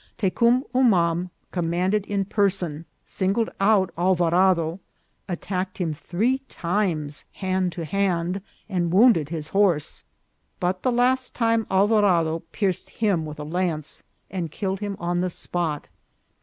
Tecum Umam commanded in person, sin gled out Alvarado, attacked him three times hand to hand, and wounded his horse ; but the last time Alva rado pierced him with a lance, and killed him on the spot.